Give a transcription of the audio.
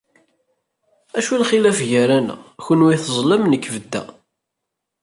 Acu n lxilaf gara-neɣ: kunwi teẓẓlem, nekk beddeɣ.